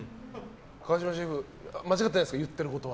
川島シェフ、間違ってないですか言っていることは。